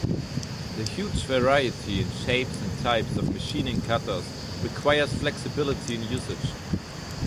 The huge variety in shapes and types of machining cutters requires flexibility in usage.